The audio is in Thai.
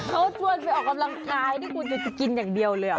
เขาชวนไปออกกำลังกายนี่คุณจะกินอย่างเดียวเลยเหรอ